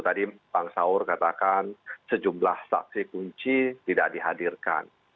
tadi bang saur katakan sejumlah saksi kunci tidak dihadirkan